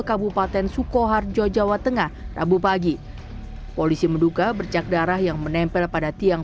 kabupaten sukoharjo jawa tengah rabu pagi polisi menduga bercak darah yang menempel pada tiang